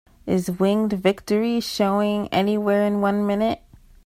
Is Winged Victory showing anywhere in one minute?